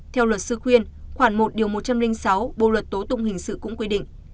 theo luật sư khuyên khoảng một một trăm linh sáu bộ luật tố tụng hình sự cũng quy định